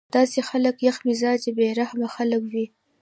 داسې خلک يخ مزاجه بې رحمه خلک وي